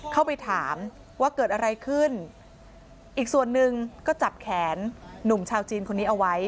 เข้าไปถามว่าเกิดอะไรขึ้นอีกส่วนหนึ่งก็จับแขนหนุ่มชาวจีนคนนี้เอาไว้